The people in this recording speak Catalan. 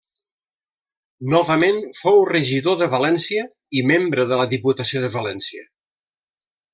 Novament fou regidor de València i membre de la Diputació de València.